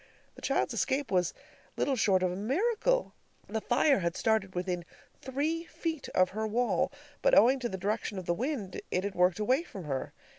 The child's escape was little short of a miracle. The fire had started within three feet of her wall, but owing to the direction of the wind, it had worked away from her.